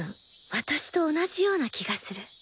私と同じような気がする。